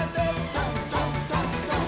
「どんどんどんどん」